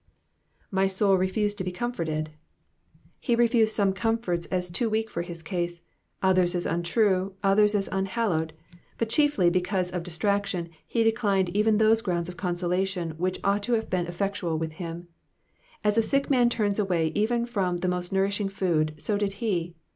ify thul refused to he comfartedy He refused some comforts as too weak for his case, others as untrue, others as un hallowed ; but chiefly because of distraction, he declined even those grounds of consolation which ought to have been effectual with him. As a sick man turns away even from the most nourishing food, so did he.